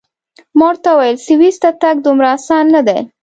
ما ورته وویل: سویس ته تګ دومره اسان نه دی.